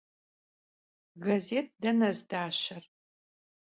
Gazêt dene zdaşer?